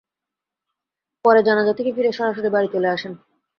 পরে জানাজা থেকে ফিরে সরাসরি বাড়ি চলে আসেন।